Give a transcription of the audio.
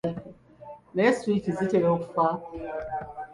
Naye switch zitera okufa?